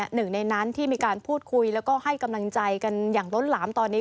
หนึ่งในนั้นที่มีการพูดคุยแล้วก็ให้กำลังใจกันอย่างล้นหลามตอนนี้